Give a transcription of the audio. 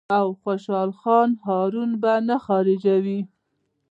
او د خوشالۍ هارمون به نۀ خارجوي -